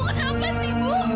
jangan tempat ini ibu